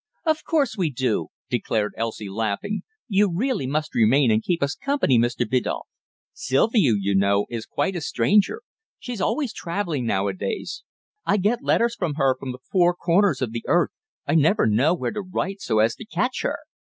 "Of course we do," declared Elsie, laughing. "You really must remain and keep us company, Mr. Biddulph. Sylvia, you know, is quite a stranger. She's always travelling now a days. I get letters from her from the four corners of the earth. I never know where to write so as to catch her."